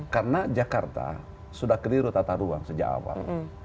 karena jakarta sudah keliru tata ruang sejak awal